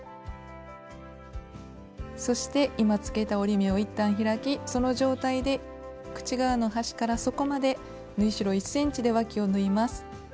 そして今つけた折り目をいったん開きその状態で口側の端から底まで縫い代１ｃｍでわきを縫います。